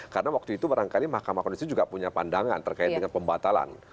karena waktu itu barangkali mahkamah konstitusi juga punya pandangan terkait dengan pembatalan